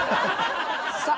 さあ